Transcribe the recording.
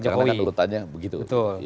karena kan urutannya begitu